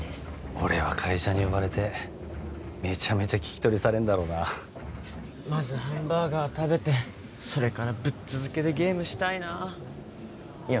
俺は会社に呼ばれてメチャメチャ聞き取りされんだろうなまずハンバーガー食べてそれからぶっ続けでゲームしたいないや